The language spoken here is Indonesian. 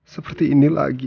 seperti ini lagi